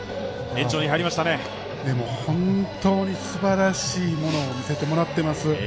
本当にすばらしいものを見せてもらってます。